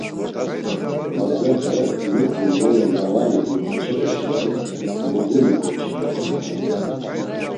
Lazepe, nuǩu mole na var iǩuy ǩoçepe şeni “Murğuli ǩoçi” utzomenan.